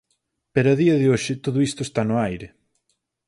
Pero a día de hoxe todo isto está no aire.